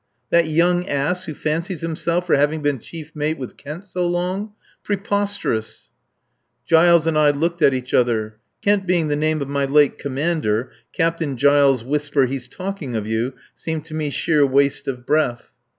That young ass who fancies himself for having been chief mate with Kent so long? ... Preposterous." Giles and I looked at each other. Kent being the name of my late commander, Captain Giles' whisper, "He's talking of you," seemed to me sheer waste of breath.